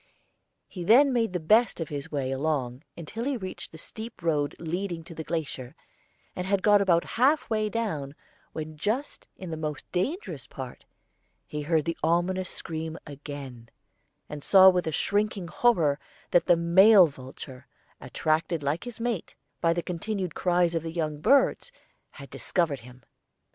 He then made the best of his way along till he reached the steep road leading to the glacier, and had got about half way down, when just in the most dangerous part he heard the ominous scream again, and saw with a shrinking horror that the male vulture, attracted, like its mate, by the continued cries of the young birds, had discovered him.